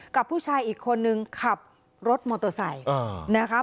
กับผู้ชายอีกคนนึงขับรถมอเตอร์ไซค์นะคะ